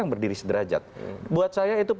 yang berdiri sederajat buat saya itu